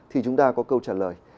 thì chúng ta có câu trả lời